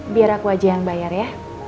biar aku aja yang bayar ya